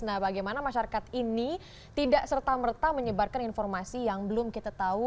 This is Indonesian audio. nah bagaimana masyarakat ini tidak serta merta menyebarkan informasi yang belum kita tahu